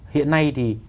hiện nay thì